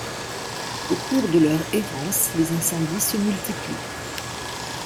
Au cours de leur errance, les incendies se multiplient…